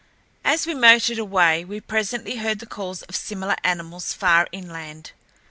As we motored away, we presently heard the calls of similar animals far inland.